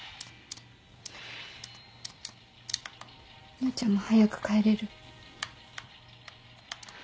陽ちゃんも早く帰れる？